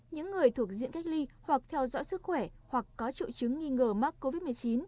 những người thuộc diện cách ly hoặc theo dõi sức khỏe hoặc có triệu chứng nghi ngờ mắc covid một mươi chín